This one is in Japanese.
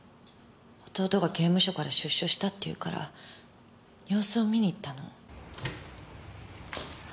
弟が刑務所から出所したって言うから様子を見に行ったの。